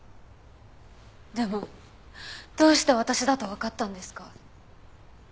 でもどうして私だとわかったんですか？